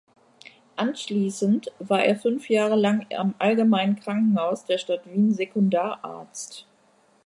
Anschließend war er fünf Jahre lang am Allgemeinen Krankenhaus der Stadt Wien Sekundararzt.